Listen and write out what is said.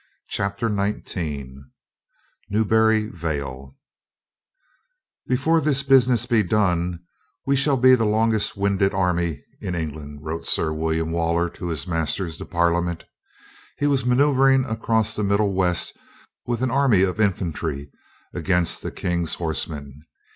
CHAPTER NINETEEN NEWBURY VALE ""DEFORE this business be done, we shall be the ■^ longest winded army in England," wrote Sir William Waller to his masters, the Parliament. He was maneuvering across the middle west with an army of infantry against the King's horsemen.